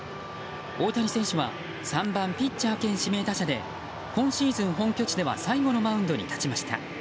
大谷選手は３番ピッチャー兼指名打者で今シーズン本拠地では最後のマウンドに立ちました。